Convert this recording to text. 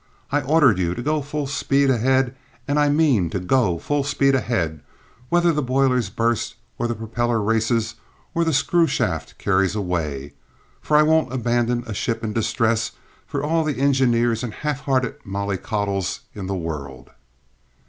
"I ordered you to go full speed ahead and I mean to go full speed ahead whether the boilers burst, or the propeller races, or the screw shaft carries away; for I won't abandon a ship in distress for all the engineers and half hearted mollicoddles in the world!"